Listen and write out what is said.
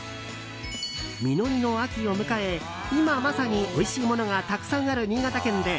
実りの秋を迎え今まさにおいしいものがたくさんある新潟県で